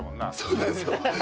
そうなんですよ。